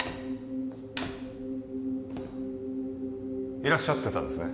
いらっしゃってたんですね